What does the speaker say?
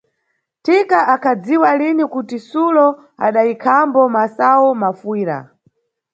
Thika akhadziwa lini kuti Sulo adayikhambo masayu mafuyira.